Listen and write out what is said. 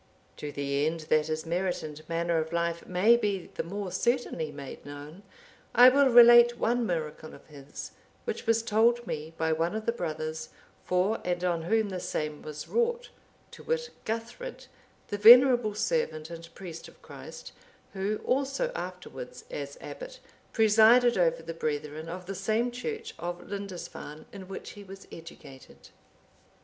(768) To the end that his merit and manner of life may be the more certainly made known, I will relate one miracle of his, which was told me by one of the brothers for and on whom the same was wrought; to wit, Guthfrid, the venerable servant and priest of Christ, who also, afterwards, as abbot, presided over the brethren of the same church of Lindisfarne, in which he was educated.